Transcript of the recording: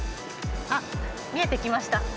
あっ見えてきました。